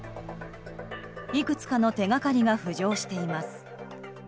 いくつかの手掛かりが浮上しています。